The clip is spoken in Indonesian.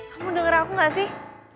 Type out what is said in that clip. kamu denger aku gak sih